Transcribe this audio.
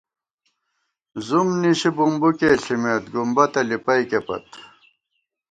زُوم نِشی بُمبُکے ݪِمېت ، گُمبَتہ لِپَئیکےپت